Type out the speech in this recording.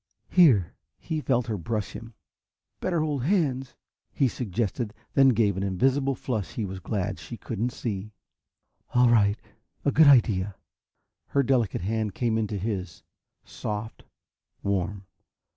"Here!" He felt her brush him. "Better hold hands," he suggested, then gave an invisible flush he was glad she couldn't see. "All right. A good idea." Her delicate hand came into his, soft, warm.